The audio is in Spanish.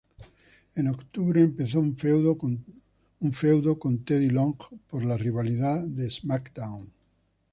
En octubre empezó un feudo con Teddy Long por la rivalidad SmackDown!